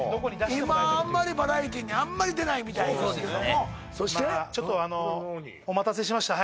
今あんまりバラエティにあんまり出ないみたいですけどもそうですねそして？